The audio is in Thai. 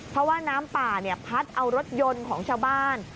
เพราะว่าน้ำป่าพัดเอารถยนต์ของชาวบ้าน